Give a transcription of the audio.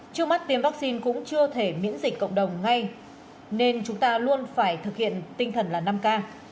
trước mắt tiêm vaccine cũng chưa thể miễn dịch cộng đồng ngay nên chúng ta luôn phải thực hiện tinh thần là năm k